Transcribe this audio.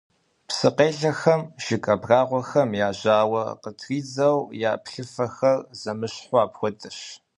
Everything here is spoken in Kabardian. Псыкъелъэхэм жыг абрагъуэхэм я жьауэ къытридзэу, я плъыфэхэр зэмыщхьу апхуэдэщ.